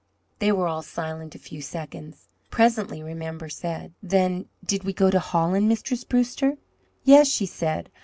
They were all silent a few seconds. Presently Remember said: "Then did ye go to Holland, Mistress Brewster?" "Yes," she said.